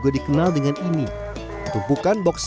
di sekitar kota bogor